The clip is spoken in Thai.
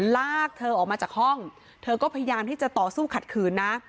ลากเธอออกมาจากห้องเธอก็พยายามที่จะต่อสู้ขัดขืนนะ